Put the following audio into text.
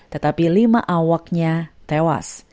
tetapi lima awaknya tewas